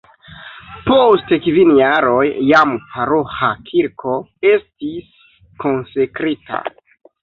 Post kvin jaroj jam paroĥa kirko estis konsekrita.